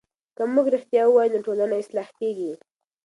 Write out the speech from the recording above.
که موږ رښتیا وایو نو ټولنه اصلاح کېږي.